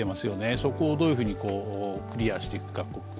そこをどういうふうにクリアしていくか。